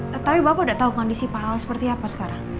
tapi bapak udah tau kondisi pak al seperti apa sekarang